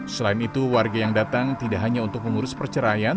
selain itu warga yang datang tidak hanya untuk mengurus perceraian